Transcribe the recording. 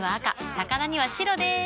魚には白でーす。